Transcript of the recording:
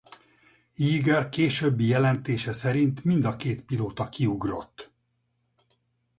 Yeager későbbi jelentése szerint mind a két pilóta kiugrott.